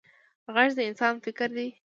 غږ د انسان فکر دی